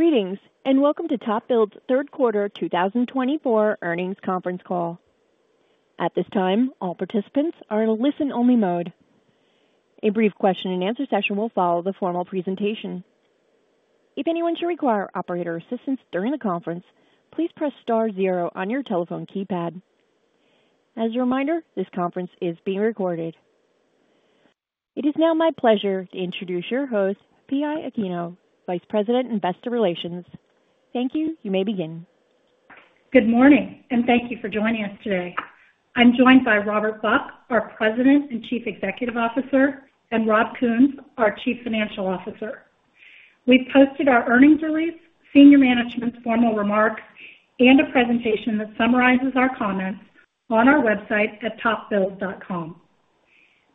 Greetings and welcome to TopBuild's third quarter 2024 earnings conference call. At this time, all participants are in a listen-only mode. A brief question-and-answer session will follow the formal presentation. If anyone should require operator assistance during the conference, please press star zero on your telephone keypad. As a reminder, this conference is being recorded. It is now my pleasure to introduce your host, Pi Aquino, Vice President, Investor Relations. Thank you. You may begin. Good morning, and thank you for joining us today. I'm joined by Robert Buck, our President and Chief Executive Officer, and Rob Kuhns, our Chief Financial Officer. We've posted our earnings release, senior management's formal remarks, and a presentation that summarizes our comments on our website at topbuild.com.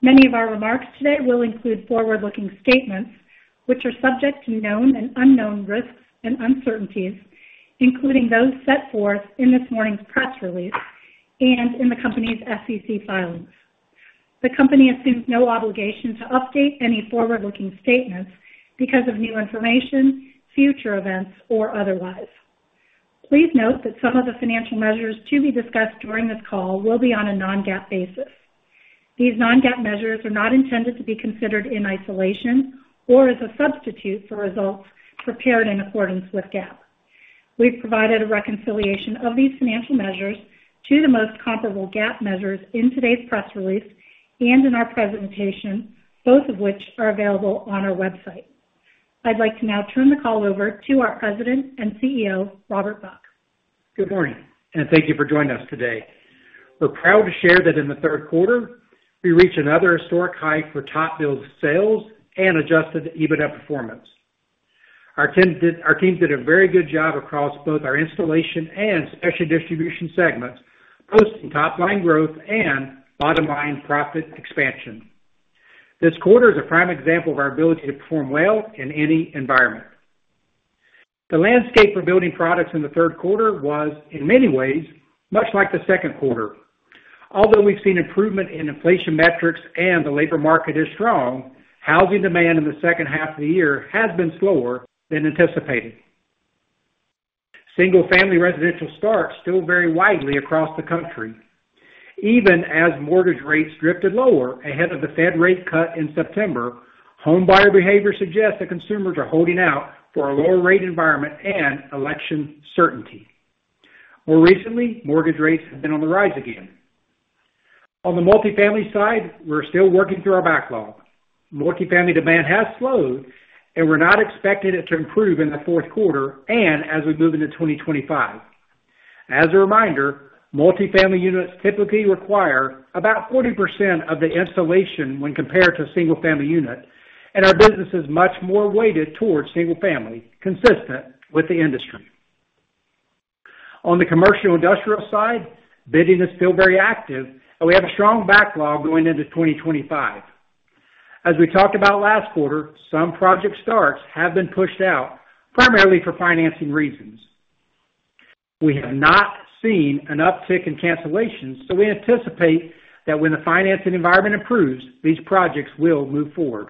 Many of our remarks today will include forward-looking statements, which are subject to known and unknown risks and uncertainties, including those set forth in this morning's press release, and in the company's SEC filings. The company assumes no obligation to update any forward-looking statements because of new information, future events or otherwise. Please note that some of the financial measures to be discussed during this call will be on a non-GAAP basis. These non-GAAP measures are not intended to be considered in isolation or as a substitute for results prepared in accordance with GAAP. We've provided a reconciliation of these financial measures to the most comparable GAAP measures in today's press release and in our presentation, both of which are available on our website. I'd like to now turn the call over to our President and CEO, Robert Buck. Good morning, and thank you for joining us today. We're proud to share that in the third quarter, we reached another historic high for TopBuild's sales and Adjusted EBITDA performance. Our teams did a very good job across both our installation and specialty distribution segments, posting top-line growth and bottom-line profit expansion. This quarter is a prime example of our ability to perform well in any environment. The landscape for building products in the third quarter was, in many ways, much like the second quarter. Although we've seen improvement in inflation metrics and the labor market is strong, housing demand in the second half of the year has been slower than anticipated. Single-family residential starts still vary widely across the country. Even as mortgage rates drifted lower ahead of the Fed rate cut in September, home buyer behavior suggests that consumers are holding out for a lower-rate environment and election certainty. More recently, mortgage rates have been on the rise again. On the multifamily side, we're still working through our backlog. Multifamily demand has slowed, and we're not expecting it to improve in the fourth quarter and as we move into 2025. As a reminder, multifamily units typically require about 40% of the installation when compared to a single-family unit, and our business is much more weighted towards single-family, consistent with the industry. On the commercial and industrial side, bidding is still very active, and we have a strong backlog going into 2025. As we talked about last quarter, some project starts have been pushed out primarily for financing reasons. We have not seen an uptick in cancellations, so we anticipate that when the financing environment improves, these projects will move forward.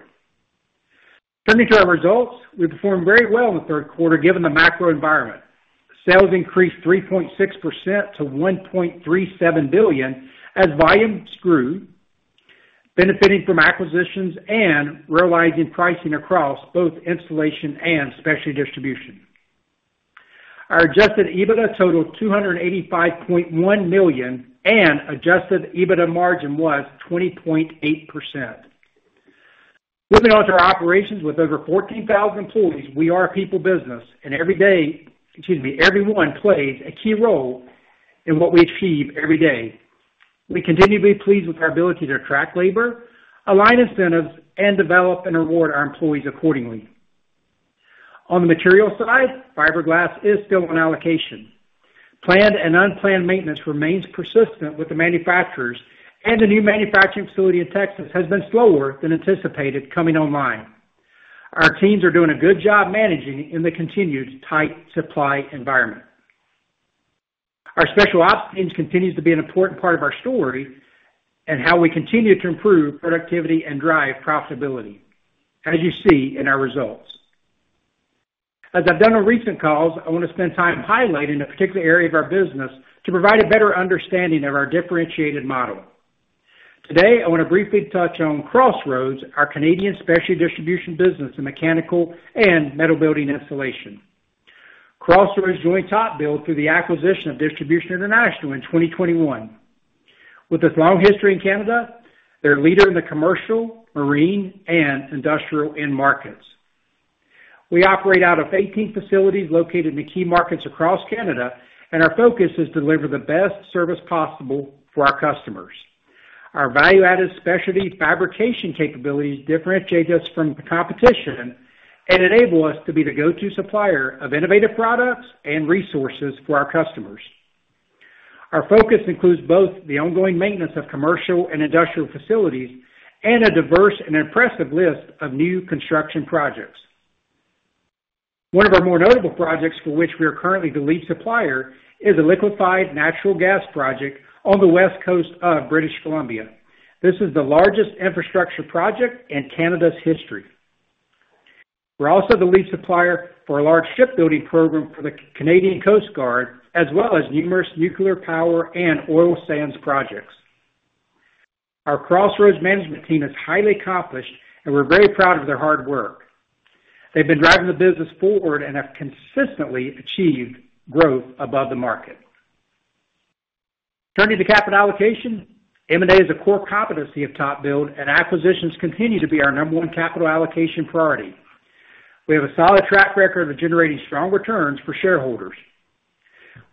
Turning to our results, we performed very well in the third quarter given the macro environment. Sales increased 3.6% to $1.37 billion as volume grew, benefiting from acquisitions and realizing pricing across both installation and specialty distribution. Our Adjusted EBITDA totaled $285.1 million, and Adjusted EBITDA margin was 20.8%. Moving on to our operations with over 14,000 employees, we are a people business, and every day, excuse me, everyone plays a key role in what we achieve every day. We continue to be pleased with our ability to attract labor, align incentives, and develop and reward our employees accordingly. On the material side, fiberglass is still on allocation. Planned and unplanned maintenance remains persistent with the manufacturers, and the new manufacturing facility in Texas has been slower than anticipated coming online. Our teams are doing a good job managing in the continued tight supply environment. Our Special Ops teams continue to be an important part of our story and how we continue to improve productivity and drive profitability, as you see in our results. As I've done on recent calls, I want to spend time highlighting a particular area of our business to provide a better understanding of our differentiated model. Today, I want to briefly touch on Crossroads, our Canadian special distribution business in mechanical and metal building installation. Crossroads joined TopBuild through the acquisition of Distribution International in 2021. With its long history in Canada, they're a leader in the commercial, marine, and industrial end markets. We operate out of 18 facilities located in key markets across Canada, and our focus is to deliver the best service possible for our customers. Our value-added specialty fabrication capabilities differentiate us from the competition and enable us to be the go-to supplier of innovative products and resources for our customers. Our focus includes both the ongoing maintenance of commercial and industrial facilities and a diverse and impressive list of new construction projects. One of our more notable projects for which we are currently the lead supplier is a liquefied natural gas project on the West Coast of British Columbia. This is the largest infrastructure project in Canada's history. We're also the lead supplier for a large shipbuilding program for the Canadian Coast Guard, as well as numerous nuclear power and oil sands projects. Our Crossroads management team is highly accomplished, and we're very proud of their hard work. They've been driving the business forward and have consistently achieved growth above the market. Turning to capital allocation, M&A is a core competency of TopBuild, and acquisitions continue to be our number one capital allocation priority. We have a solid track record of generating strong returns for shareholders.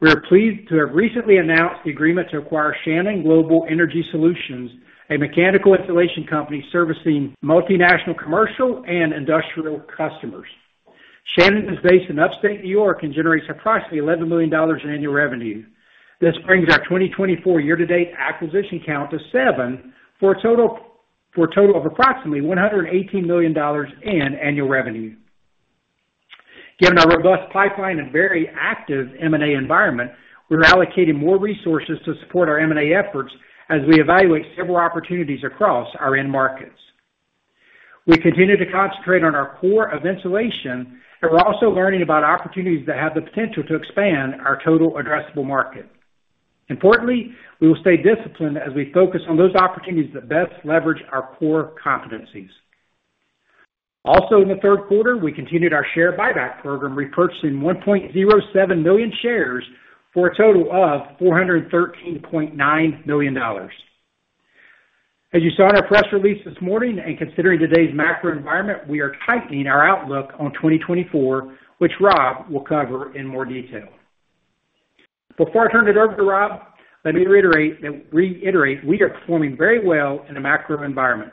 We are pleased to have recently announced the agreement to acquire Shannon Global Energy Solutions, a mechanical installation company servicing multinational commercial and industrial customers. Shannon is based in upstate New York and generates approximately $11 million in annual revenue. This brings our 2024 year-to-date acquisition count to seven for a total of approximately $118 million in annual revenue. Given our robust pipeline and very active M&A environment, we're allocating more resources to support our M&A efforts as we evaluate several opportunities across our end markets. We continue to concentrate on our core of installation, and we're also learning about opportunities that have the potential to expand our total addressable market. Importantly, we will stay disciplined as we focus on those opportunities that best leverage our core competencies. Also, in the third quarter, we continued our share buyback program, repurchasing 1.07 million shares for a total of $413.9 million. As you saw in our press release this morning and considering today's macro environment, we are tightening our outlook on 2024, which Rob will cover in more detail. Before I turn it over to Rob, let me reiterate that we are performing very well in the macro environment.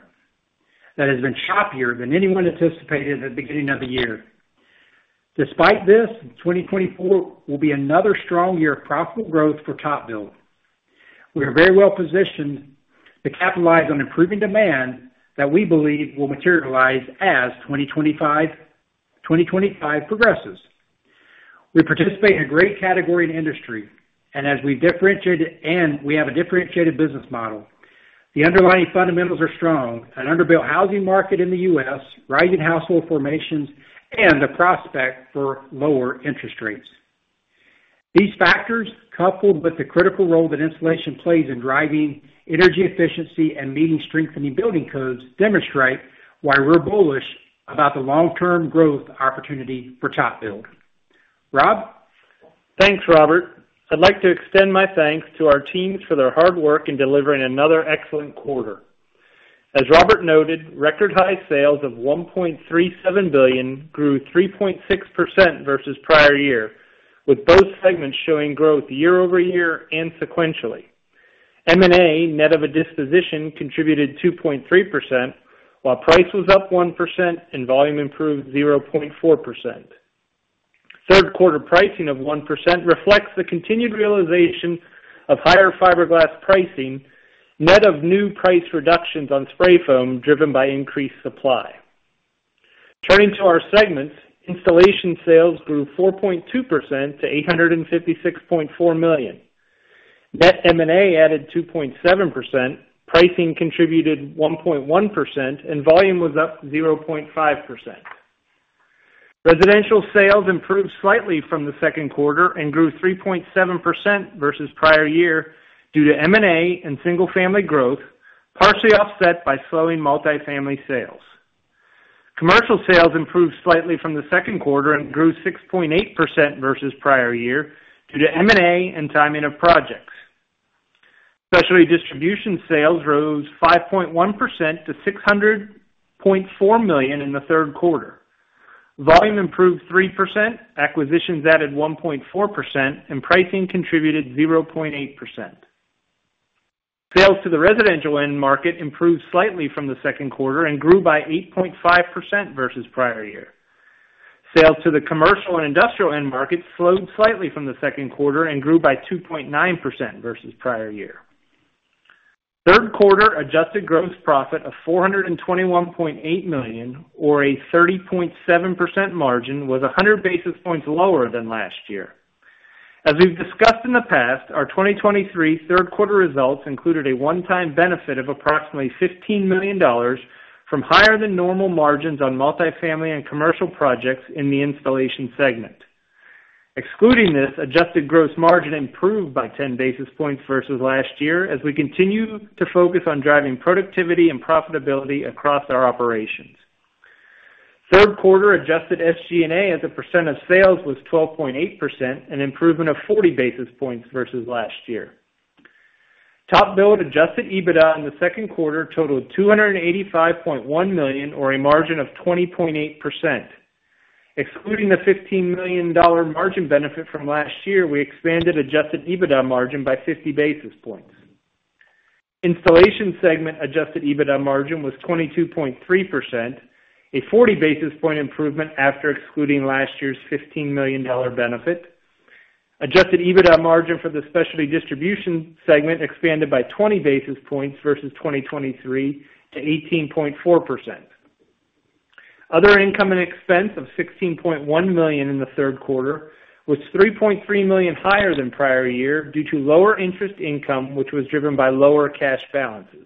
That has been choppier than anyone anticipated at the beginning of the year. Despite this, 2024 will be another strong year of profitable growth for TopBuild. We are very well positioned to capitalize on improving demand that we believe will materialize as 2025 progresses. We participate in a great category and industry, and as we've differentiated, and we have a differentiated business model, the underlying fundamentals are strong: an underbuilt housing market in the U.S., rising household formations, and the prospect for lower interest rates. These factors, coupled with the critical role that installation plays in driving energy efficiency and meeting strengthening building codes, demonstrate why we're bullish about the long-term growth opportunity for TopBuild. Rob? Thanks, Robert. I'd like to extend my thanks to our teams for their hard work in delivering another excellent quarter. As Robert noted, record-high sales of $1.37 billion grew 3.6% versus prior year, with both segments showing growth year-over-year and sequentially. M&A net of a disposition contributed 2.3%, while price was up 1% and volume improved 0.4%. Third-quarter pricing of 1% reflects the continued realization of higher fiberglass pricing net of new price reductions on spray foam driven by increased supply. Turning to our segments, installation sales grew 4.2% to $856.4 million. Net M&A added 2.7%, pricing contributed 1.1%, and volume was up 0.5%. Residential sales improved slightly from the second quarter and grew 3.7% versus prior year due to M&A and single-family growth, partially offset by slowing multifamily sales. Commercial sales improved slightly from the second quarter and grew 6.8% versus prior year due to M&A and timing of projects. Specialty distribution sales rose 5.1% to $600.4 million in the third quarter. Volume improved 3%, acquisitions added 1.4%, and pricing contributed 0.8%. Sales to the residential end market improved slightly from the second quarter and grew by 8.5% versus prior year. Sales to the commercial and industrial end market slowed slightly from the second quarter and grew by 2.9% versus prior year. Third-quarter adjusted gross profit of $421.8 million, or a 30.7% margin, was 100 basis points lower than last year. As we've discussed in the past, our 2023 third-quarter results included a one-time benefit of approximately $15 million from higher-than-normal margins on multifamily and commercial projects in the installation segment. Excluding this, adjusted gross margin improved by 10 basis points versus last year as we continue to focus on driving productivity and profitability across our operations. Third-quarter adjusted SG&A as a % of sales was 12.8%, an improvement of 40 basis points versus last year. TopBuild adjusted EBITDA in the second quarter totaled $285.1 million, or a margin of 20.8%. Excluding the $15 million margin benefit from last year, we expanded adjusted EBITDA margin by 50 basis points. Installation segment adjusted EBITDA margin was 22.3%, a 40 basis point improvement after excluding last year's $15 million benefit. Adjusted EBITDA margin for the specialty distribution segment expanded by 20 basis points versus 2023 to 18.4%. Other income and expense of $16.1 million in the third quarter was $3.3 million higher than prior year due to lower interest income, which was driven by lower cash balances.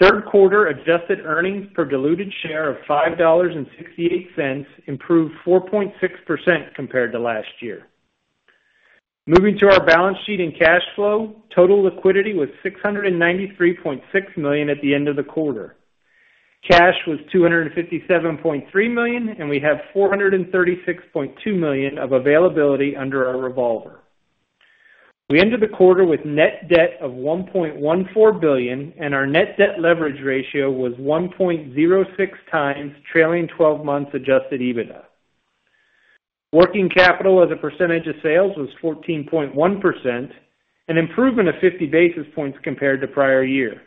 Third-quarter adjusted earnings per diluted share of $5.68 improved 4.6% compared to last year. Moving to our balance sheet and cash flow, total liquidity was $693.6 million at the end of the quarter. Cash was $257.3 million, and we have $436.2 million of availability under our revolver. We ended the quarter with net debt of $1.14 billion, and our net debt leverage ratio was 1.06 times trailing 12 months adjusted EBITDA. Working capital as a percentage of sales was 14.1%, an improvement of 50 basis points compared to prior year.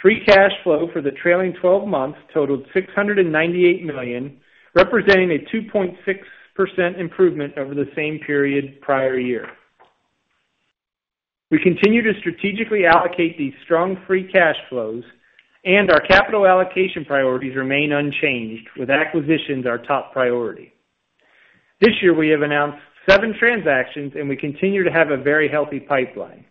Free cash flow for the trailing 12 months totaled $698 million, representing a 2.6% improvement over the same period prior year. We continue to strategically allocate these strong free cash flows, and our capital allocation priorities remain unchanged, with acquisitions our top priority. This year, we have announced seven transactions, and we continue to have a very healthy pipeline.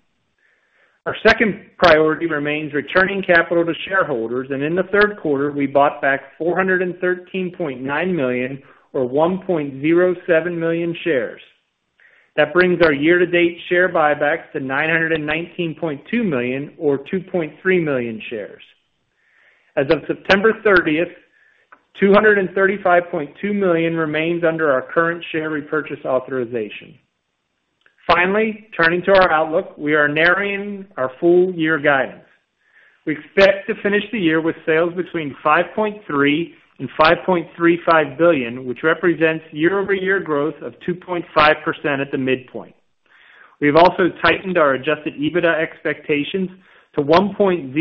Our second priority remains returning capital to shareholders, and in the third quarter, we bought back $413.9 million, or 1.07 million shares. That brings our year-to-date share buybacks to $919.2 million, or 2.3 million shares. As of September 30th, $235.2 million remains under our current share repurchase authorization. Finally, turning to our outlook, we are narrowing our full year guidance. We expect to finish the year with sales between $5.3 billion and $5.35 billion, which represents year-over-year growth of 2.5% at the midpoint. We have also tightened our Adjusted EBITDA expectations to $1.055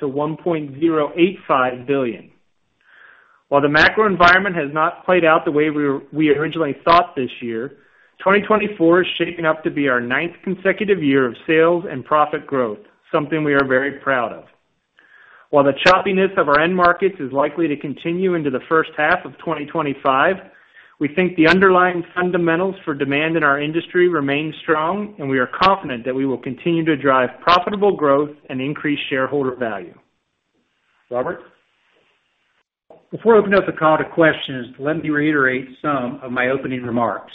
billion-$1.085 billion. While the macro environment has not played out the way we originally thought this year, 2024 is shaping up to be our ninth consecutive year of sales and profit growth, something we are very proud of. While the choppiness of our end markets is likely to continue into the first half of 2025, we think the underlying fundamentals for demand in our industry remain strong, and we are confident that we will continue to drive profitable growth and increase shareholder value. Robert? Before I open up the call to questions, let me reiterate some of my opening remarks.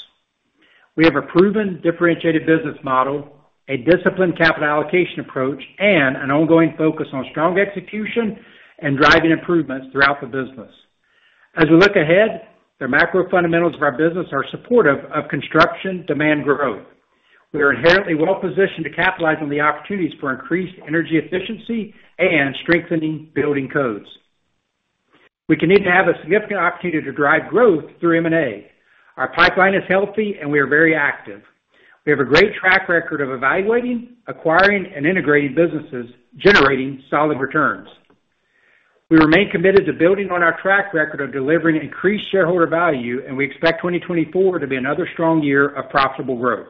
We have a proven differentiated business model, a disciplined capital allocation approach, and an ongoing focus on strong execution and driving improvements throughout the business. As we look ahead, the macro fundamentals of our business are supportive of construction demand growth. We are inherently well positioned to capitalize on the opportunities for increased energy efficiency and strengthening building codes. We continue to have a significant opportunity to drive growth through M&A. Our pipeline is healthy, and we are very active. We have a great track record of evaluating, acquiring, and integrating businesses generating solid returns. We remain committed to building on our track record of delivering increased shareholder value, and we expect 2024 to be another strong year of profitable growth.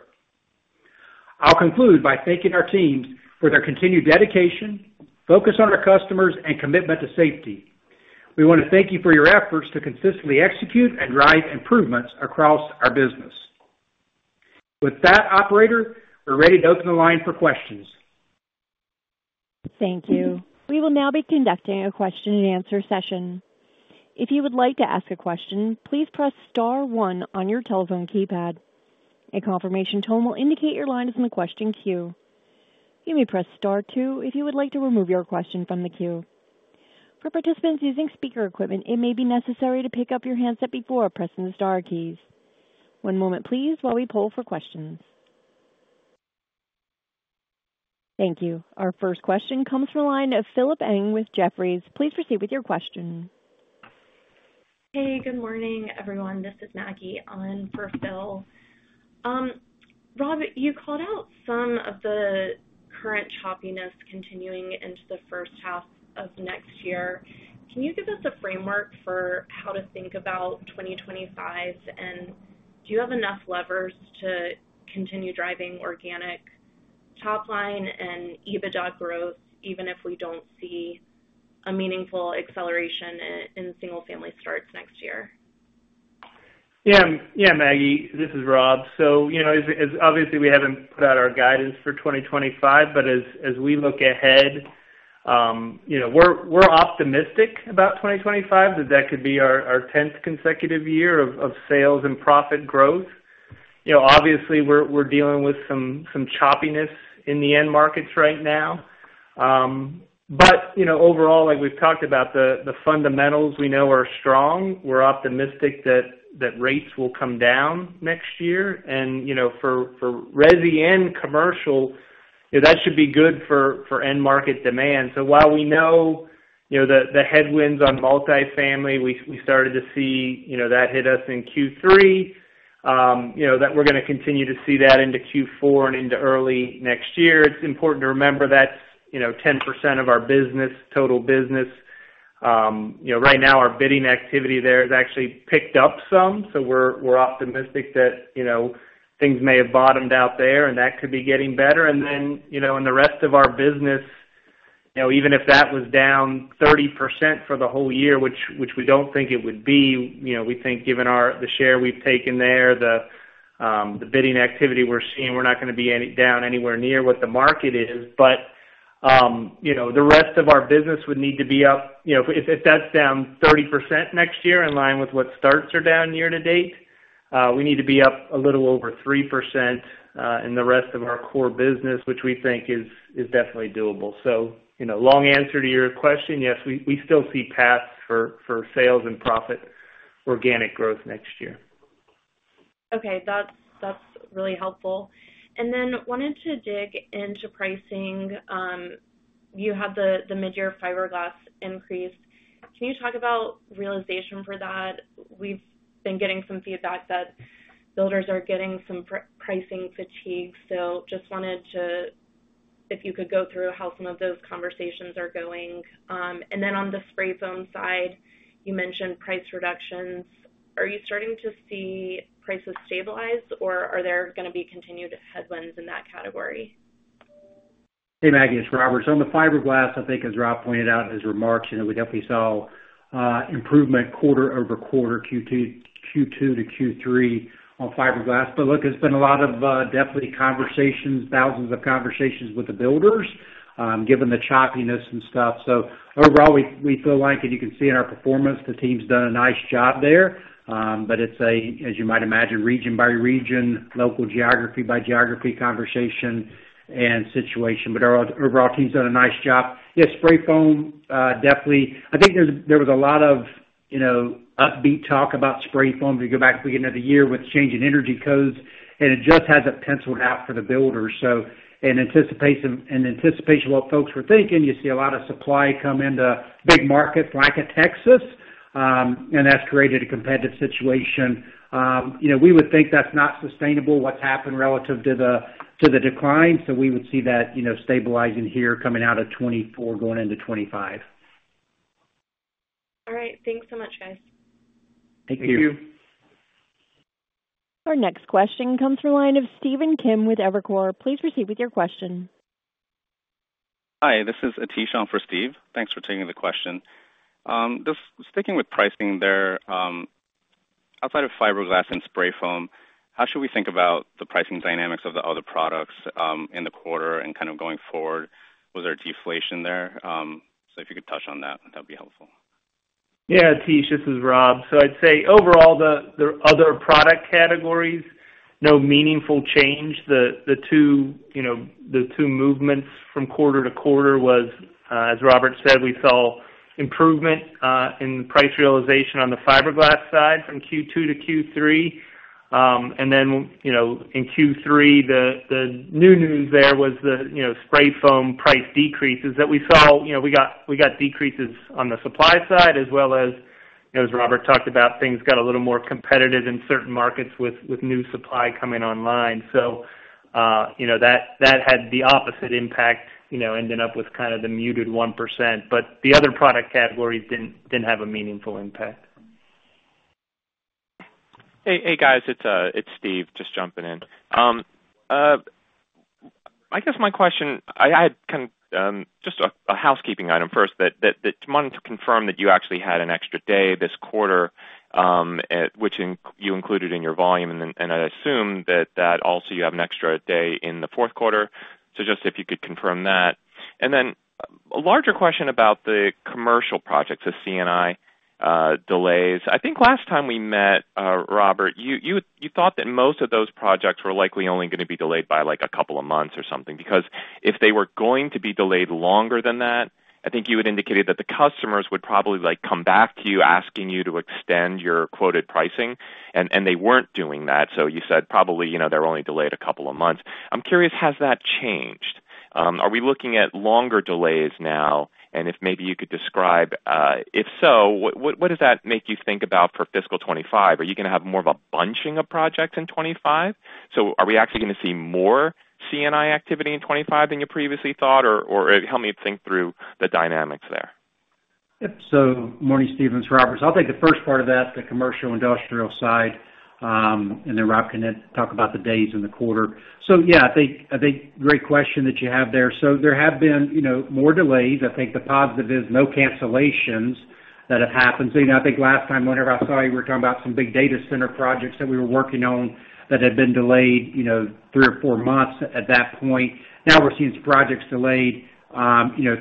I'll conclude by thanking our teams for their continued dedication, focus on our customers, and commitment to safety. We want to thank you for your efforts to consistently execute and drive improvements across our business. With that, Operator, we're ready to open the line for questions. Thank you. We will now be conducting a question-and-answer session. If you would like to ask a question, please press star one on your telephone keypad. A confirmation tone will indicate your line is in the question queue. You may press star two if you would like to remove your question from the queue. For participants using speaker equipment, it may be necessary to pick up your handset before pressing the star keys. One moment, please, while we pull for questions. Thank you. Our first question comes from a line of Philip Ng with Jefferies. Please proceed with your question. Hey, good morning, everyone. This is Maggie on for Phil. Rob, you called out some of the current choppiness continuing into the first half of next year. Can you give us a framework for how to think about 2025, and do you have enough levers to continue driving organic top line and EBITDA growth, even if we don't see a meaningful acceleration in single-family starts next year? Yeah, Maggie, this is Rob. So, obviously, we haven't put out our guidance for 2025, but as we look ahead, we're optimistic about 2025, that that could be our tenth consecutive year of sales and profit growth. Obviously, we're dealing with some choppiness in the end markets right now. But overall, like we've talked about, the fundamentals we know are strong. We're optimistic that rates will come down next year. And for resi and commercial, that should be good for end market demand. So while we know the headwinds on multifamily, we started to see that hit us in Q3, that we're going to continue to see that into Q4 and into early next year. It's important to remember that's 10% of our total business. Right now, our bidding activity there has actually picked up some, so we're optimistic that things may have bottomed out there, and that could be getting better. And then in the rest of our business, even if that was down 30% for the whole year, which we don't think it would be, we think given the share we've taken there, the bidding activity we're seeing, we're not going to be down anywhere near what the market is. But the rest of our business would need to be up. If that's down 30% next year, in line with what starts are down year to date, we need to be up a little over 3% in the rest of our core business, which we think is definitely doable. So, long answer to your question, yes, we still see paths for sales and profit organic growth next year. Okay. That's really helpful, and then wanted to dig into pricing. You had the mid-year fiberglass increase. Can you talk about realization for that? We've been getting some feedback that builders are getting some pricing fatigue, so just wanted to, if you could go through how some of those conversations are going, and then on the spray foam side, you mentioned price reductions. Are you starting to see prices stabilize, or are there going to be continued headwinds in that category? Hey, Maggie, it's Robert. So on the fiberglass, I think, as Rob pointed out in his remarks, we definitely saw improvement quarter-over-quarter, Q2 to Q3 on fiberglass. But look, it's been a lot of definitely conversations, thousands of conversations with the builders, given the choppiness and stuff. So overall, we feel like, and you can see in our performance, the team's done a nice job there. But it's a, as you might imagine, region by region, local geography by geography conversation and situation. But overall, the team's done a nice job. Yeah, spray foam, definitely. I think there was a lot of upbeat talk about spray foam as we go back to the beginning of the year with changing energy codes, and it just hasn't penciled out for the builders. So in anticipation of what folks were thinking, you see a lot of supply come into big markets like Texas, and that's created a competitive situation. We would think that's not sustainable, what's happened relative to the decline. So we would see that stabilizing here coming out of 2024 going into 2025. All right. Thanks so much, guys. Thank you. Thank you. Our next question comes from a line of Stephen Kim with Evercore. Please proceed with your question. Hi, this is Ateeshaan for Steve. Thanks for taking the question. Just sticking with pricing there, outside of fiberglass and spray foam, how should we think about the pricing dynamics of the other products in the quarter and kind of going forward? Was there a deflation there? So if you could touch on that, that would be helpful. Yeah, Ateeshaan, this is Rob. So I'd say overall, the other product categories, no meaningful change. The two movements from quarter to quarter was, as Robert said, we saw improvement in the price realization on the fiberglass side from Q2 to Q3. And then in Q3, the new news there was the spray foam price decreases that we saw. We got decreases on the supply side, as well as, as Robert talked about, things got a little more competitive in certain markets with new supply coming online. So that had the opposite impact, ended up with kind of the muted 1%. But the other product categories didn't have a meaningful impact. Hey, guys, it's Stephen just jumping in. I guess my question, I had kind of just a housekeeping item first that I wanted to confirm that you actually had an extra day this quarter, which you included in your volume. And I assume that also you have an extra day in the fourth quarter. So just if you could confirm that. And then a larger question about the commercial projects, the C&I delays. I think last time we met, Robert, you thought that most of those projects were likely only going to be delayed by like a couple of months or something. Because if they were going to be delayed longer than that, I think you had indicated that the customers would probably come back to you asking you to extend your quoted pricing, and they weren't doing that. So you said probably they're only delayed a couple of months. I'm curious, has that changed? Are we looking at longer delays now? And if maybe you could describe, if so, what does that make you think about for fiscal 2025? Are you going to have more of a bunching of projects in 2025? So are we actually going to see more C&I activity in 2025 than you previously thought? Or help me think through the dynamics there. Yep. So, morning, Stephen. Robert. So I'll take the first part of that, the commercial industrial side, and then Rob can talk about the days in the quarter. So yeah, I think great question that you have there. So there have been more delays. I think the positive is no cancellations that have happened. So I think last time, whenever I saw you, we were talking about some big data center projects that we were working on that had been delayed three or four months at that point. Now we're seeing projects delayed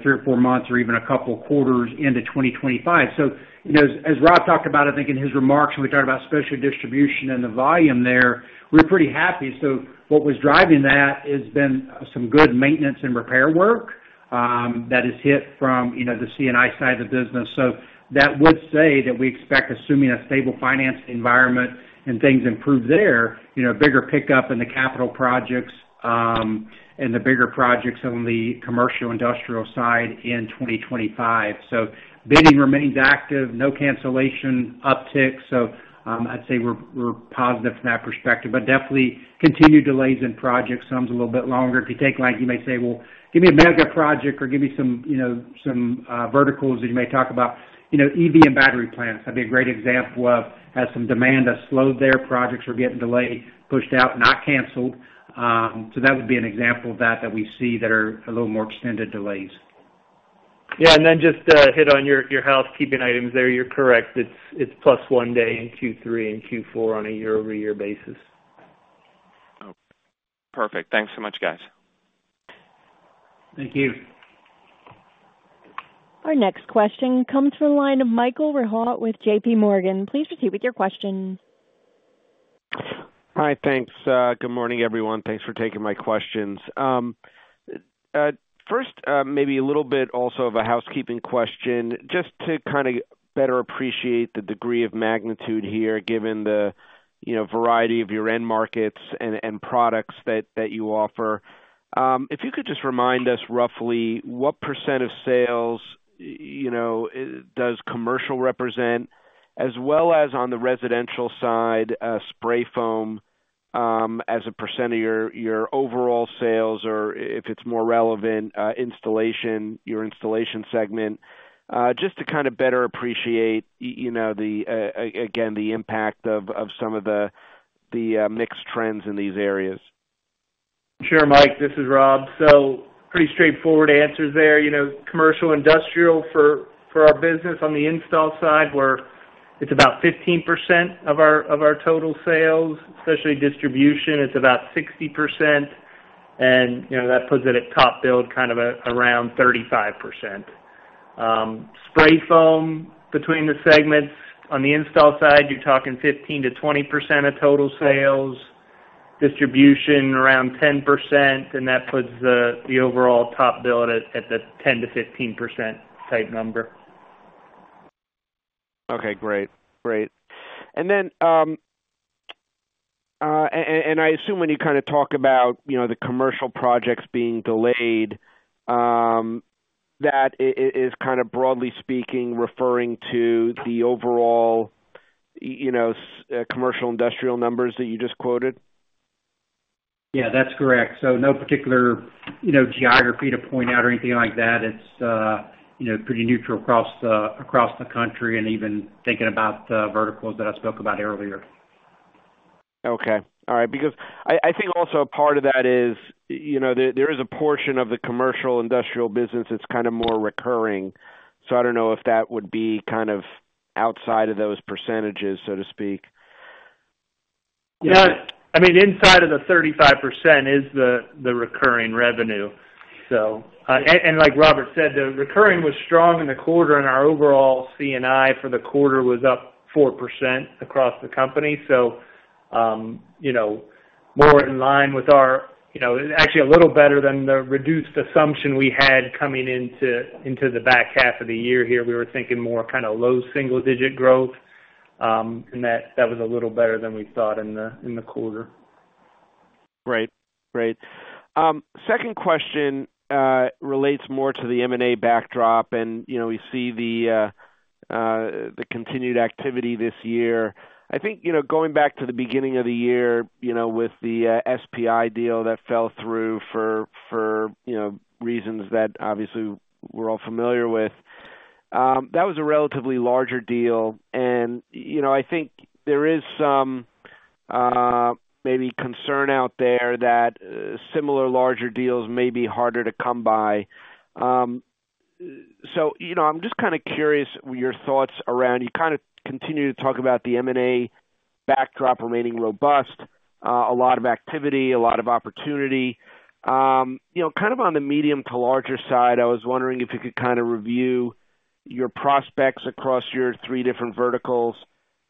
three or four months or even a couple of quarters into 2025. So as Rob talked about, I think in his remarks, we talked about specialty distribution and the volume there. We're pretty happy. So what was driving that has been some good maintenance and repair work that has hit from the C&I side of the business. So that would say that we expect, assuming a stable financial environment and things improve there, a bigger pickup in the capital projects and the bigger projects on the commercial industrial side in 2025. So bidding remains active, no cancellation uptick. So I'd say we're positive from that perspective. But definitely continued delays in projects, some is a little bit longer. If you take like you may say, "Well, give me a mega project or give me some verticals," and you may talk about EV and battery plants. That'd be a great example of how some demand has slowed there. Projects were getting delayed, pushed out, not canceled. So that would be an example of that that we see that are a little more extended delays. Yeah. And then just to hit on your housekeeping items there, you're correct. It's plus one day in Q3 and Q4 on a year-over-year basis. Perfect. Thanks so much, guys. Thank you. Our next question comes from a line of Michael Rehaut with J.P. Morgan. Please proceed with your question. Hi, thanks. Good morning, everyone. Thanks for taking my questions. First, maybe a little bit also of a housekeeping question, just to kind of better appreciate the degree of magnitude here, given the variety of your end markets and products that you offer. If you could just remind us roughly what % of sales does commercial represent, as well as on the residential side, spray foam as a % of your overall sales, or if it's more relevant, your installation segment, just to kind of better appreciate, again, the impact of some of the mixed trends in these areas. Sure, Mike, this is Rob. So pretty straightforward answers there. Commercial and industrial for our business on the install side, where it's about 15% of our total sales. Especially distribution, it's about 60%. And that puts it at TopBuild kind of around 35%. Spray foam between the segments. On the install side, you're talking 15%-20% of total sales. Distribution around 10%. And that puts the overall TopBuild at the 10%-15% type number. Okay, great. Great. And I assume when you kind of talk about the commercial projects being delayed, that is kind of broadly speaking referring to the overall commercial industrial numbers that you just quoted? Yeah, that's correct. So no particular geography to point out or anything like that. It's pretty neutral across the country and even thinking about the verticals that I spoke about earlier. Okay. All right. Because I think also a part of that is there is a portion of the commercial industrial business that's kind of more recurring. So I don't know if that would be kind of outside of those percentages, so to speak. Yeah. I mean, inside of the 35% is the recurring revenue. And like Robert said, the recurring was strong in the quarter, and our overall C&I for the quarter was up 4% across the company. So more in line with our actually a little better than the reduced assumption we had coming into the back half of the year here. We were thinking more kind of low single-digit growth, and that was a little better than we thought in the quarter. Great. Great. Second question relates more to the M&A backdrop, and we see the continued activity this year. I think going back to the beginning of the year with the SPI deal that fell through for reasons that obviously we're all familiar with, that was a relatively larger deal. And I think there is some maybe concern out there that similar larger deals may be harder to come by. So I'm just kind of curious your thoughts around you kind of continue to talk about the M&A backdrop remaining robust, a lot of activity, a lot of opportunity. Kind of on the medium to larger side, I was wondering if you could kind of review your prospects across your three different verticals.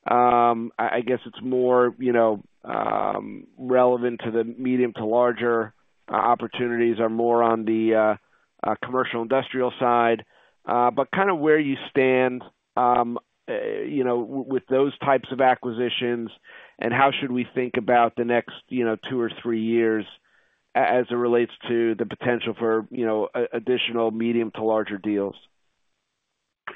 I guess it's more relevant to the medium to larger opportunities are more on the commercial industrial side. But kind of where you stand with those types of acquisitions, and how should we think about the next two or three years as it relates to the potential for additional medium to larger deals?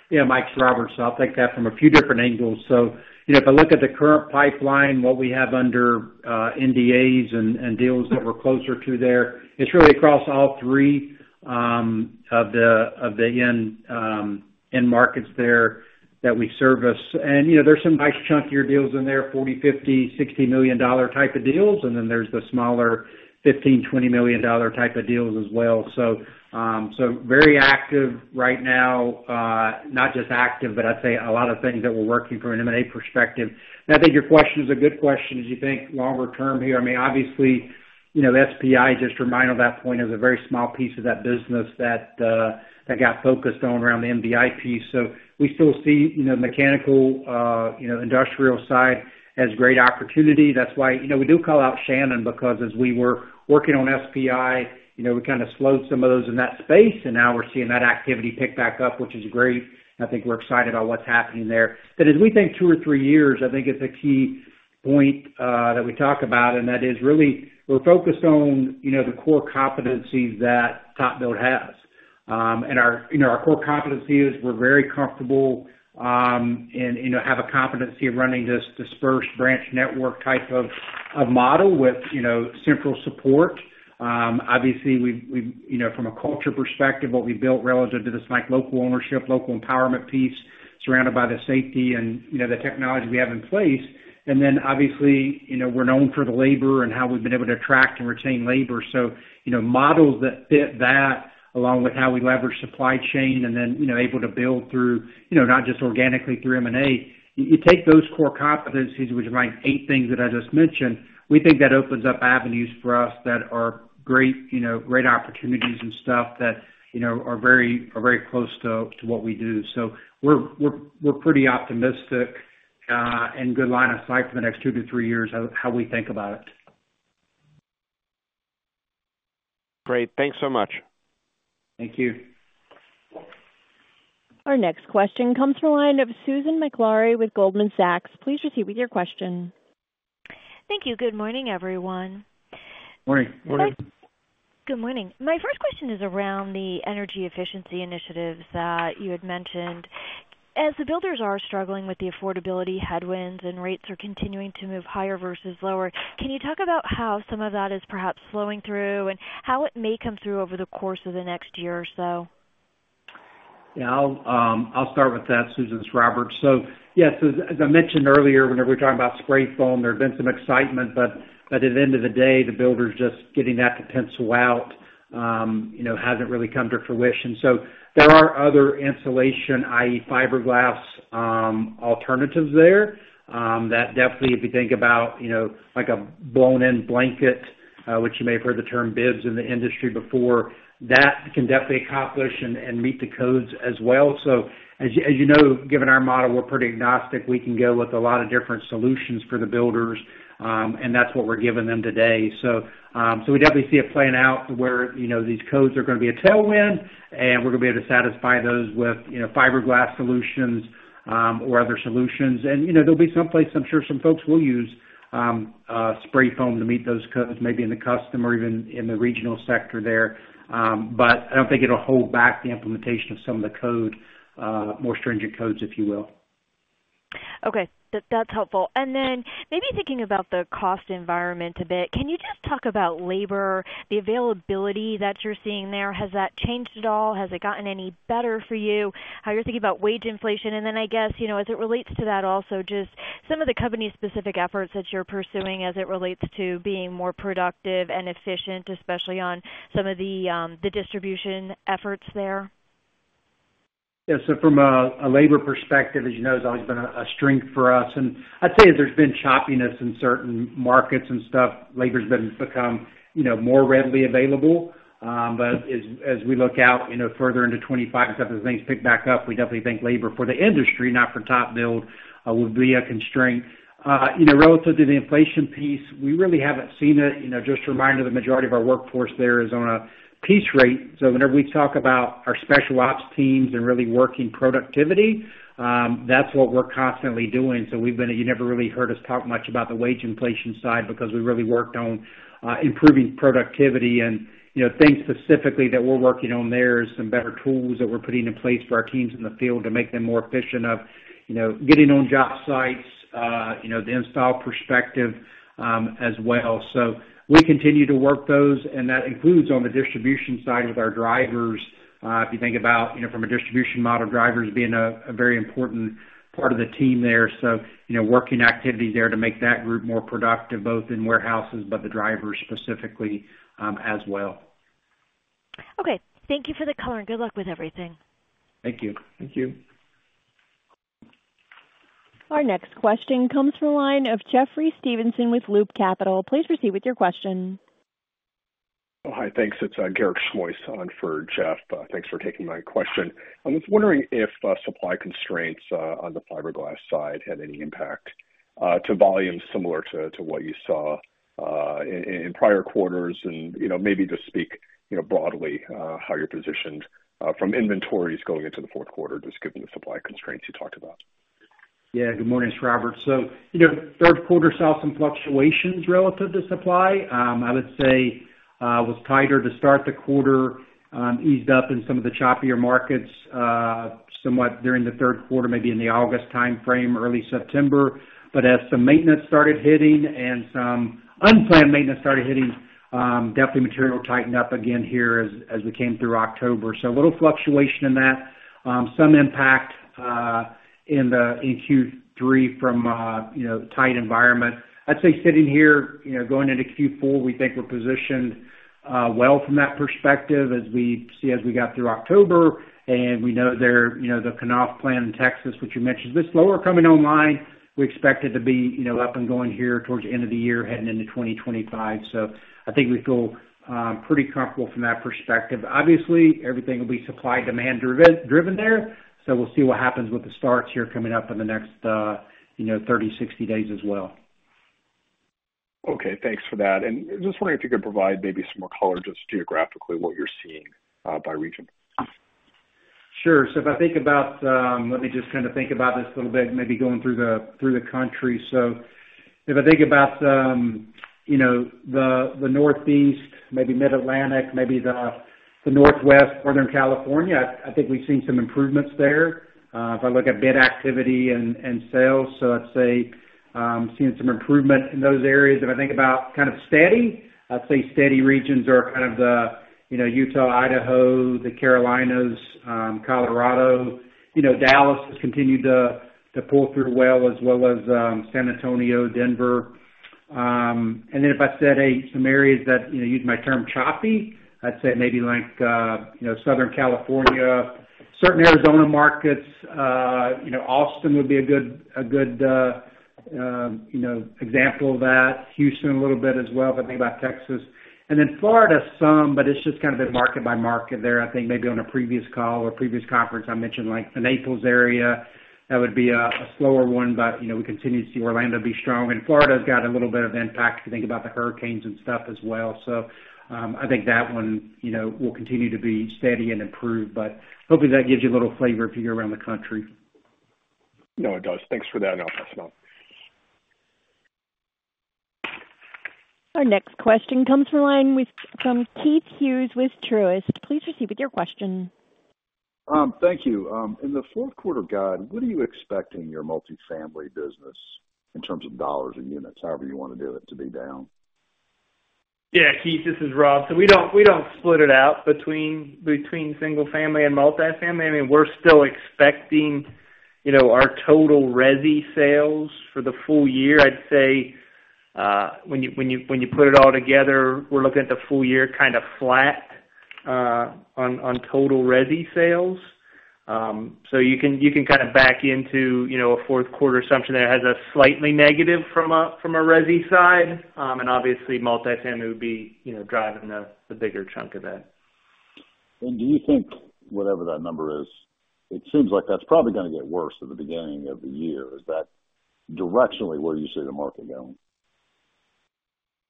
Yeah, Mike, it's Robert. So I'll take that from a few different angles. So if I look at the current pipeline, what we have under NDAs and deals that we're closer to there, it's really across all three of the end markets there that we service. And there's some nice chunkier deals in there, $40 million, $50 million, $60 million type of deals. And then there's the smaller $15 million, $20 million type of deals as well. So very active right now, not just active, but I'd say a lot of things that we're working from an M&A perspective. And I think your question is a good question. As you think longer term here, I mean, obviously, SPI, just to remind on that point, is a very small piece of that business that got focused on around the MBI piece. So we still see the mechanical industrial side has great opportunity. That's why we do call out Shannon because as we were working on SPI, we kind of slowed some of those in that space. And now we're seeing that activity pick back up, which is great. I think we're excited about what's happening there. But as we think two or three years, I think it's a key point that we talk about. And that is really we're focused on the core competencies that TopBuild has. And our core competency is we're very comfortable and have a competency of running this dispersed branch network type of model with central support. Obviously, from a culture perspective, what we built relative to this local ownership, local empowerment piece surrounded by the safety and the technology we have in place. And then obviously, we're known for the labor and how we've been able to attract and retain labor. So, models that fit that, along with how we leverage supply chain and then able to build through not just organically, through M&A. You take those core competencies, which are like eight things that I just mentioned. We think that opens up avenues for us that are great opportunities and stuff that are very close to what we do, so we're pretty optimistic and good line of sight for the next two to three years how we think about it. Great. Thanks so much. Thank you. Our next question comes from a line of Susan Maklari with Goldman Sachs. Please proceed with your question. Thank you. Good morning, everyone. Morning. Morning. Good morning. My first question is around the energy efficiency initiatives that you had mentioned. As the builders are struggling with the affordability headwinds and rates are continuing to move higher versus lower, can you talk about how some of that is perhaps slowing through and how it may come through over the course of the next year or so? Yeah. I'll start with that, Susan. It's Robert. So yeah, so as I mentioned earlier, whenever we're talking about spray foam, there's been some excitement. But at the end of the day, the builders just getting that to pencil out hasn't really come to fruition. So there are other insulation, i.e., fiberglass alternatives there that definitely, if you think about like a blown-in blanket, which you may have heard the term BIBS in the industry before, that can definitely accomplish and meet the codes as well. So as you know, given our model, we're pretty agnostic. We can go with a lot of different solutions for the builders. And that's what we're giving them today. So we definitely see it playing out to where these codes are going to be a tailwind, and we're going to be able to satisfy those with fiberglass solutions or other solutions. There'll be some places, I'm sure some folks will use spray foam to meet those codes, maybe in the custom or even in the regional sector there. I don't think it'll hold back the implementation of some of the code, more stringent codes, if you will. Okay. That's helpful. And then maybe thinking about the cost environment a bit, can you just talk about labor, the availability that you're seeing there? Has that changed at all? Has it gotten any better for you? How you're thinking about wage inflation? And then I guess as it relates to that also, just some of the company-specific efforts that you're pursuing as it relates to being more productive and efficient, especially on some of the distribution efforts there? Yeah. So from a labor perspective, as you know, it's always been a strength for us. And I'd say there's been choppiness in certain markets and stuff. Labor's become more readily available. But as we look out further into 2025 and stuff as things pick back up, we definitely think labor for the industry, not for TopBuild, will be a constraint. Relative to the inflation piece, we really haven't seen it. Just a reminder, the majority of our workforce there is on a piece rate. So whenever we talk about our special ops teams and really working productivity, that's what we're constantly doing. So you never really heard us talk much about the wage inflation side because we really worked on improving productivity. And things specifically that we're working on there are some better tools that we're putting in place for our teams in the field to make them more efficient of getting on job sites, the install perspective as well. So we continue to work those. And that includes on the distribution side with our drivers. If you think about from a distribution model, drivers being a very important part of the team there. So working activity there to make that group more productive, both in warehouses but the drivers specifically as well. Okay. Thank you for the call, and good luck with everything. Thank you. Thank you. Our next question comes from a line of Jeffrey Stevenson with Loop Capital. Please proceed with your question. Hi, thanks. It's Garik Shmois on for Jeff. Thanks for taking my question. I was wondering if supply constraints on the fiberglass side had any impact to volumes similar to what you saw in prior quarters? And maybe just speak broadly how you're positioned from inventories going into the fourth quarter, just given the supply constraints you talked about. Yeah. Good morning, Robert. So third quarter saw some fluctuations relative to supply. I would say was tighter to start the quarter, eased up in some of the choppier markets somewhat during the third quarter, maybe in the August time frame, early September. But as some maintenance started hitting and some unplanned maintenance started hitting, definitely material tightened up again here as we came through October. So a little fluctuation in that, some impact in Q3 from a tight environment. I'd say sitting here going into Q4, we think we're positioned well from that perspective as we see as we got through October. And we know the Knauf plant in Texas, which you mentioned, is slower coming online. We expect it to be up and going here towards the end of the year, heading into 2025. So I think we feel pretty comfortable from that perspective. Obviously, everything will be supply-demand-driven there, so we'll see what happens with the starts here coming up in the next 30-60 days as well. Okay. Thanks for that. And just wondering if you could provide maybe some more color just geographically what you're seeing by region? Sure. So if I think about let me just kind of think about this a little bit, maybe going through the country. So if I think about the Northeast, maybe Mid-Atlantic, maybe the Northwest, Northern California, I think we've seen some improvements there. If I look at bid activity and sales, so I'd say seeing some improvement in those areas. If I think about kind of steady, I'd say steady regions are kind of the Utah, Idaho, the Carolinas, Colorado. Dallas has continued to pull through well as well as San Antonio, Denver. And then if I said some areas that use my term choppy, I'd say maybe like Southern California, certain Arizona markets. Austin would be a good example of that. Houston a little bit as well if I think about Texas. And then Florida some, but it's just kind of been market by market there. I think maybe on a previous call or previous conference, I mentioned like the Naples area, that would be a slower one. But we continue to see Orlando be strong. And Florida has got a little bit of impact if you think about the hurricanes and stuff as well. So I think that one will continue to be steady and improved. But hopefully that gives you a little flavor if you go around the country. No, it does. Thanks for that, Robert. Our next question comes from a line from Keith Hughes with Truist. Please proceed with your question. Thank you. In the fourth quarter guide, what are you expecting your multifamily business in terms of dollars and units, however you want to do it, to be down? Yeah. Keith, this is Rob. So we don't split it out between single family and multifamily. I mean, we're still expecting our total resi sales for the full year. I'd say when you put it all together, we're looking at the full year kind of flat on total resi sales. So you can kind of back into a fourth quarter assumption there as a slightly negative from a resi side. And obviously, multifamily would be driving the bigger chunk of that. Do you think whatever that number is, it seems like that's probably going to get worse at the beginning of the year. Is that directionally where you see the market going?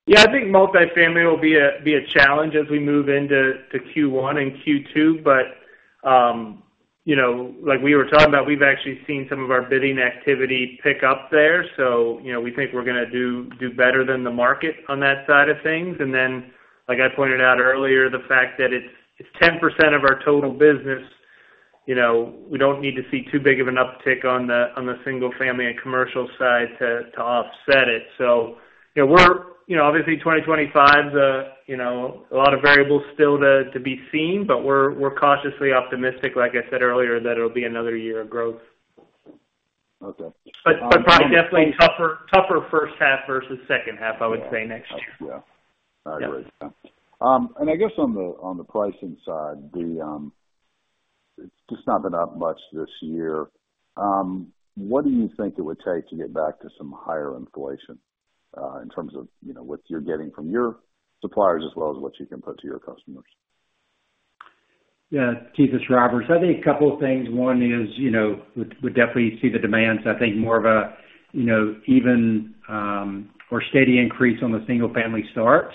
Yeah. I think multifamily will be a challenge as we move into Q1 and Q2. But like we were talking about, we've actually seen some of our bidding activity pick up there. So we think we're going to do better than the market on that side of things. And then like I pointed out earlier, the fact that it's 10% of our total business, we don't need to see too big of an uptick on the single family and commercial side to offset it. So we're obviously 2025, a lot of variables still to be seen, but we're cautiously optimistic, like I said earlier, that it'll be another year of growth. Okay. But probably definitely tougher first half versus second half, I would say, next year. Yeah. All right. Great. And I guess on the pricing side, it's just not been up much this year. What do you think it would take to get back to some higher inflation in terms of what you're getting from your suppliers as well as what you can put to your customers? Yeah. Keith, this is Robert. So I think a couple of things. One is we definitely see the demands. I think more of an even or steady increase on the single family starts.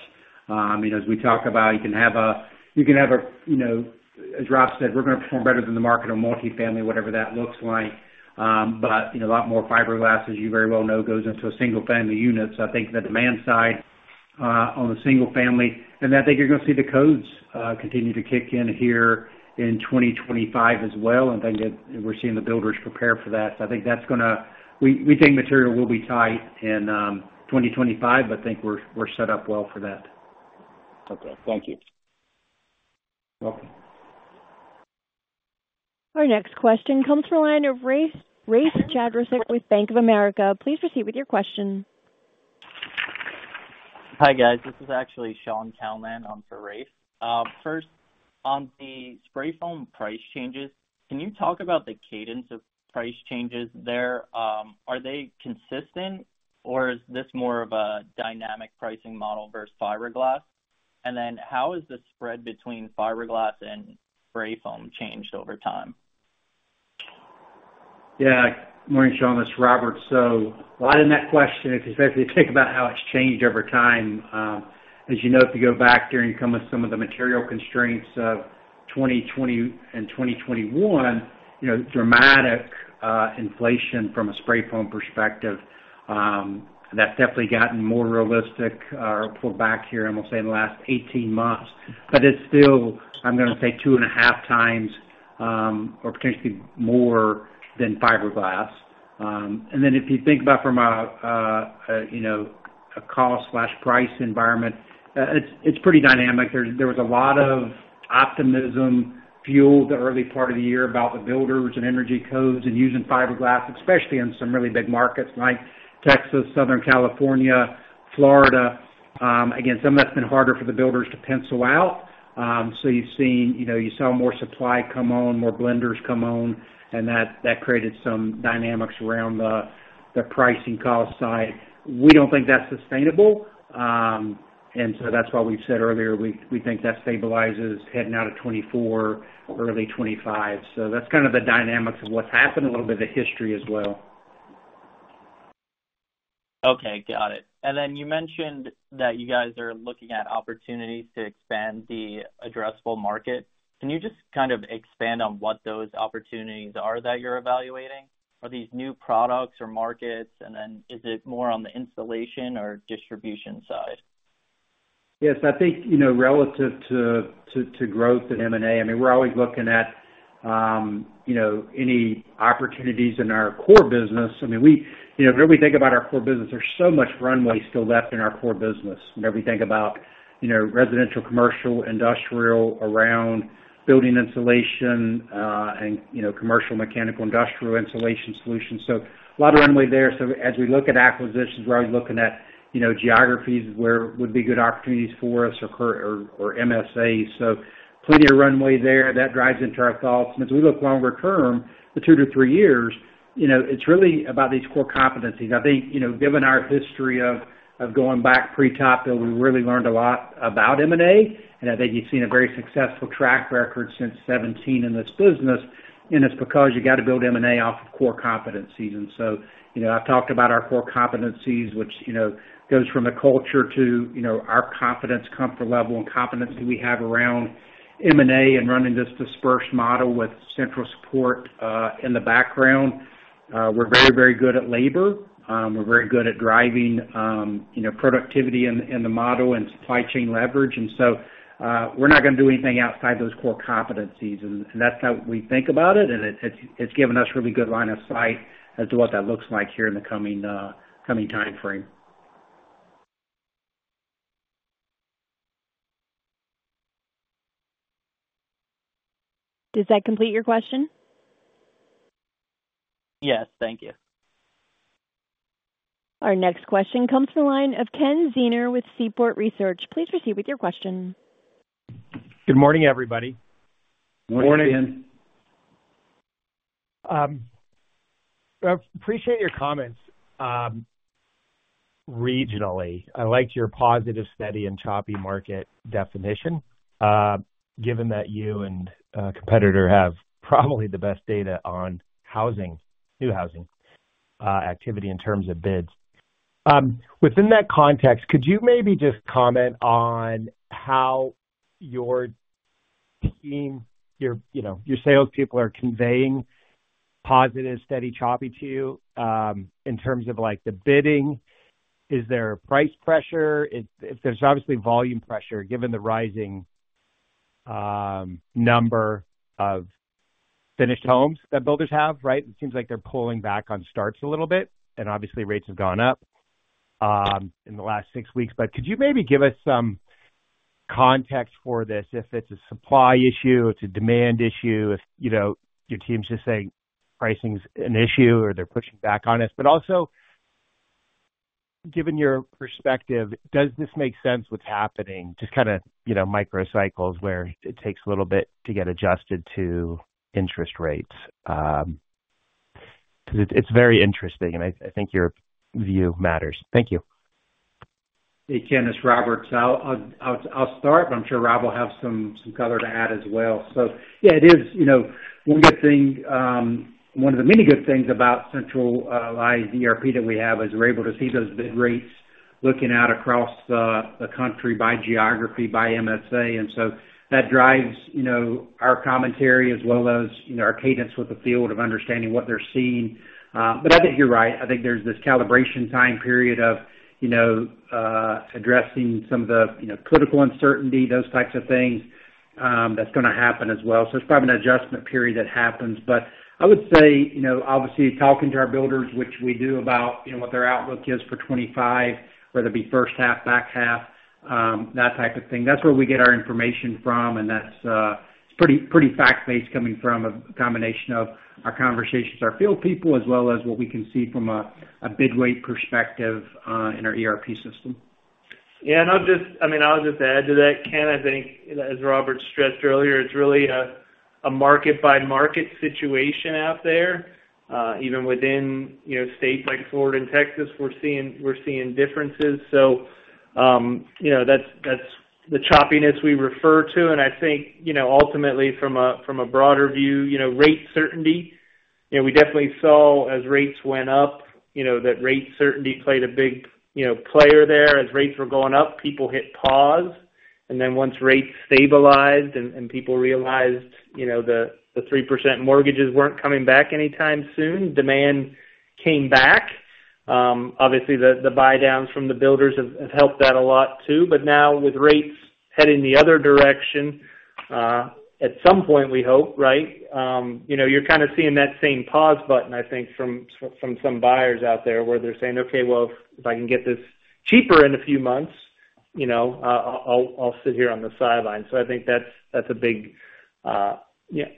As we talk about, you can have a, as Rob said, we're going to perform better than the market on multifamily, whatever that looks like. But a lot more fiberglass, as you very well know, goes into single family units. I think the demand side on the single family. And I think you're going to see the codes continue to kick in here in 2025 as well. And I think we're seeing the builders prepare for that. So I think that's going to, we think material will be tight in 2025, but I think we're set up well for that. Okay. Thank you. Welcome. Our next question comes from a line of Rafe Jadrosich with Bank of America. Please proceed with your question. Hi guys. This is actually Shaun Calnan on for Rafe Jadrosich. First, on the spray foam price changes, can you talk about the cadence of price changes there? Are they consistent, or is this more of a dynamic pricing model versus fiberglass? And then how has the spread between fiberglass and spray foam changed over time? Yeah. Good morning, Shaun. This is Robert. So a lot in that question, especially if you think about how it's changed over time. As you know, if you go back during some of the material constraints of 2020 and 2021, dramatic inflation from a spray foam perspective. That's definitely gotten more realistic or pulled back here, I'm going to say, in the last 18 months. But it's still, I'm going to say, two and a half times or potentially more than fiberglass. And then if you think about from a cost/price environment, it's pretty dynamic. There was a lot of optimism fueled the early part of the year about the builders and energy codes and using fiberglass, especially in some really big markets like Texas, Southern California, Florida. Again, some of that's been harder for the builders to pencil out. So you saw more supply come on, more blenders come on, and that created some dynamics around the pricing cost side. We don't think that's sustainable. And so that's why we said earlier, we think that stabilizes heading out of 2024, early 2025. So that's kind of the dynamics of what's happened, a little bit of the history as well. Okay. Got it. And then you mentioned that you guys are looking at opportunities to expand the addressable market. Can you just kind of expand on what those opportunities are that you're evaluating? Are these new products or markets? And then is it more on the installation or distribution side? Yes. I think relative to growth in M&A, I mean, we're always looking at any opportunities in our core business. I mean, whenever we think about our core business, there's so much runway still left in our core business. Whenever we think about residential, commercial, industrial around building insulation and commercial mechanical industrial insulation solutions. So a lot of runway there. So as we look at acquisitions, we're always looking at geographies where it would be good opportunities for us or MSAs. So plenty of runway there. That drives into our thoughts. And as we look longer term, the two-to-three years, it's really about these core competencies. I think given our history of going back pre-TopBuild, we really learned a lot about M&A. And I think you've seen a very successful track record since 2017 in this business. And it's because you got to build M&A off of core competencies. And so I've talked about our core competencies, which goes from the culture to our confidence comfort level and competency we have around M&A and running this dispersed model with central support in the background. We're very, very good at labor. We're very good at driving productivity in the model and supply chain leverage. And so we're not going to do anything outside those core competencies. And that's how we think about it. And it's given us a really good line of sight as to what that looks like here in the coming time frame. Did that complete your question? Yes. Thank you. Our next question comes from a line of Ken Zener with Seaport Research. Please proceed with your question. Good morning, everybody. Morning, Ken. Morning. Appreciate your comments regionally. I liked your positive, steady, and choppy market definition, given that you and a competitor have probably the best data on housing, new housing activity in terms of bids. Within that context, could you maybe just comment on how your team, your salespeople are conveying positive, steady, choppy to you in terms of the bidding? Is there price pressure? There's obviously volume pressure given the rising number of finished homes that builders have, right? It seems like they're pulling back on starts a little bit. And obviously, rates have gone up in the last six weeks. But could you maybe give us some context for this? If it's a supply issue, it's a demand issue, if your team's just saying pricing's an issue or they're pushing back on us. But also, given your perspective, does this make sense what's happening? Just kind of microcycles where it takes a little bit to get adjusted to interest rates. Because it's very interesting, and I think your view matters. Thank you. Hey, Ken, this is Robert. So I'll start, but I'm sure Rob will have some color to add as well. So yeah, it is one good thing. One of the many good things about centralized ERP that we have is we're able to see those bid rates looking out across the country by geography, by MSA. And so that drives our commentary as well as our cadence with the field of understanding what they're seeing. But I think you're right. I think there's this calibration time period of addressing some of the political uncertainty, those types of things that's going to happen as well. So it's probably an adjustment period that happens. But I would say, obviously, talking to our builders, which we do about what their outlook is for 2025, whether it be first half, back half, that type of thing. That's where we get our information from. That's pretty fact-based coming from a combination of our conversations, our field people, as well as what we can see from a bid rate perspective in our ERP system. Yeah. And I'll just, I mean, I'll just add to that, Ken. I think, as Robert stressed earlier, it's really a market-by-market situation out there. Even within states like Florida and Texas, we're seeing differences. So that's the choppiness we refer to. And I think ultimately, from a broader view, rate certainty we definitely saw as rates went up that rate certainty played a big player there. As rates were going up, people hit pause. And then once rates stabilized and people realized the 3% mortgages weren't coming back anytime soon, demand came back. Obviously, the buy-downs from the builders have helped that a lot too. But now with rates heading the other direction, at some point, we hope, right? You're kind of seeing that same pause button, I think, from some buyers out there where they're saying, "Okay, well, if I can get this cheaper in a few months, I'll sit here on the sidelines." So I think that's a big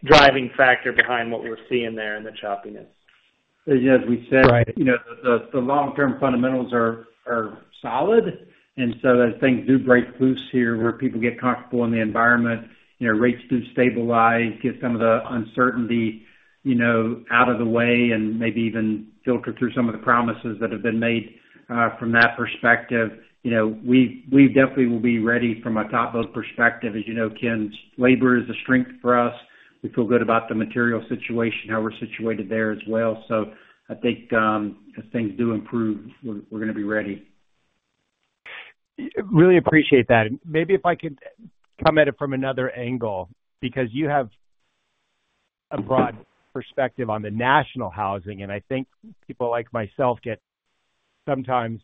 driving factor behind what we're seeing there in the choppiness. As we said, the long-term fundamentals are solid, and so as things do break loose here, where people get comfortable in the environment, rates do stabilize, get some of the uncertainty out of the way, and maybe even filter through some of the promises that have been made from that perspective, we definitely will be ready from a TopBuild perspective. As you know, Ken, labor is a strength for us. We feel good about the material situation, how we're situated there as well, so I think as things do improve, we're going to be ready. Really appreciate that. And maybe if I could come at it from another angle because you have a broad perspective on the national housing. And I think people like myself get sometimes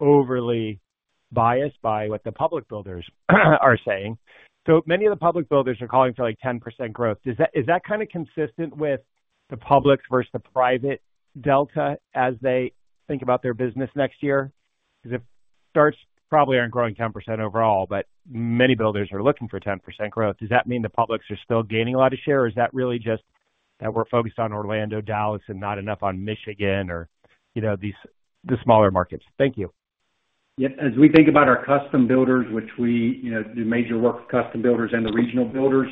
overly biased by what the public builders are saying. So many of the public builders are calling for like 10% growth. Is that kind of consistent with the public versus the private delta as they think about their business next year? Because if starts probably aren't growing 10% overall, but many builders are looking for 10% growth. Does that mean the publics are still gaining a lot of share? Or is that really just that we're focused on Orlando, Dallas, and not enough on Michigan or the smaller markets? Thank you. Yep. As we think about our custom builders, which we do major work with custom builders and the regional builders,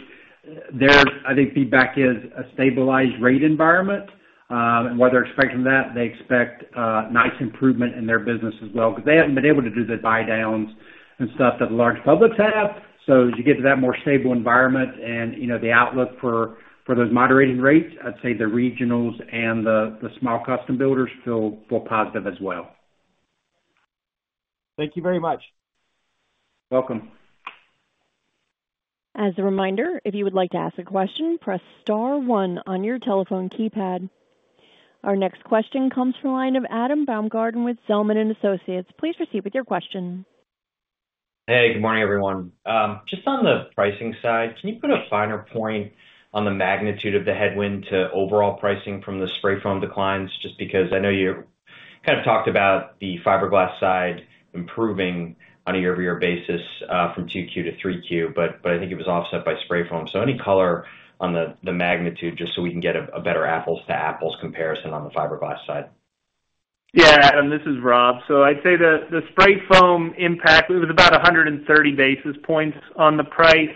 their, I think, feedback is a stabilized rate environment, and what they're expecting from that, they expect nice improvement in their business as well, because they haven't been able to do the buy-downs and stuff that the large publics have, so as you get to that more stable environment and the outlook for those moderating rates, I'd say the regionals and the small custom builders feel positive as well. Thank you very much. Welcome. As a reminder, if you would like to ask a question, press star one on your telephone keypad. Our next question comes from a line of Adam Baumgarten with Zelman & Associates. Please proceed with your question. Hey, good morning, everyone. Just on the pricing side, can you put a finer point on the magnitude of the headwind to overall pricing from the spray foam declines? Just because I know you kind of talked about the fiberglass side improving on a year-over-year basis from 2Q to 3Q, but I think it was offset by spray foam. So any color on the magnitude just so we can get a better apples-to-apples comparison on the fiberglass side. Yeah. Adam, this is Rob. So I'd say the spray foam impact, it was about 130 basis points on the price.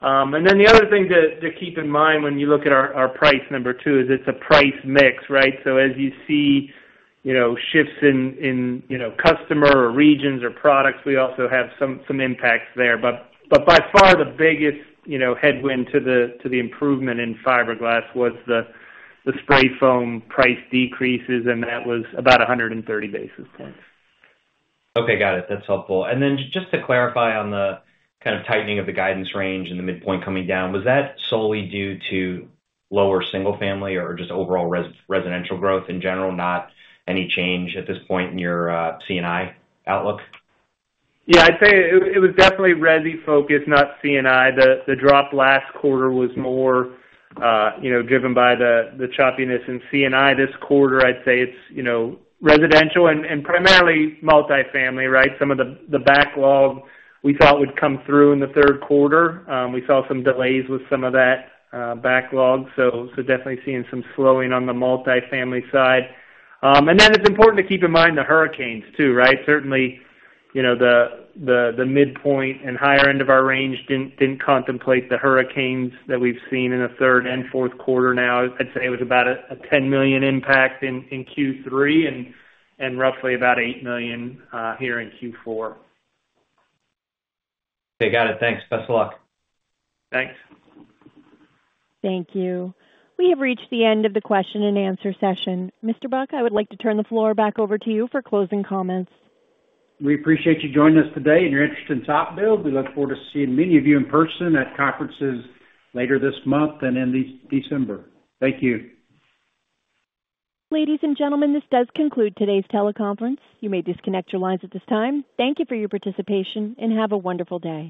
And then the other thing to keep in mind when you look at our price number two is it's a price mix, right? So as you see shifts in customer or regions or products, we also have some impacts there. But by far, the biggest headwind to the improvement in fiberglass was the spray foam price decreases, and that was about 130 basis points. Okay. Got it. That's helpful. And then just to clarify on the kind of tightening of the guidance range and the midpoint coming down, was that solely due to lower single-family or just overall residential growth in general, not any change at this point in your C&I outlook? Yeah. I'd say it was definitely resi-focused, not C&I. The drop last quarter was more driven by the choppiness in C&I this quarter. I'd say it's residential and primarily multifamily, right? Some of the backlog we thought would come through in the third quarter. We saw some delays with some of that backlog. So definitely seeing some slowing on the multifamily side. And then it's important to keep in mind the hurricanes too, right? Certainly, the midpoint and higher end of our range didn't contemplate the hurricanes that we've seen in the third and fourth quarter now. I'd say it was about a $10 million impact in Q3 and roughly about $8 million here in Q4. Okay. Got it. Thanks. Best of luck. Thanks. Thank you. We have reached the end of the question and answer session. Mr. Buck, I would like to turn the floor back over to you for closing comments. We appreciate you joining us today and your interest in TopBuild. We look forward to seeing many of you in person at conferences later this month and in December. Thank you. Ladies and gentlemen, this does conclude today's teleconference. You may disconnect your lines at this time. Thank you for your participation and have a wonderful day.